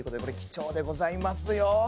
これ貴重でございますよ。